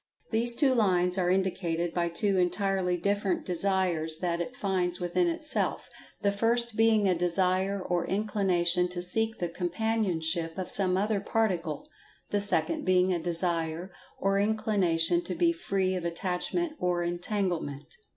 These two lines are indicated by two entirely different Desires that it finds within itself—the first being a Desire or Inclination to seek the companionship of some other Particle—the second being a Desire or Inclination to be Free of Attachment or Entanglement.